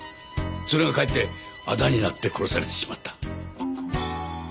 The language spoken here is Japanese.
それがかえってあだになって殺されてしまった。